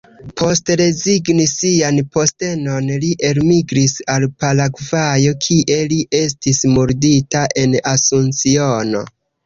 Post rezigni sian postenon, li elmigris al Paragvajo, kie li estis murdita en Asunciono.